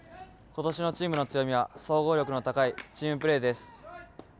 今年のチームの強みは総合力の高いチームプレーです。